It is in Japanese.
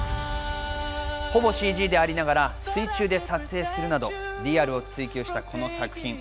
ほぼＣＧでありながら、水中で撮影するなど、リアルを追求したこの作品。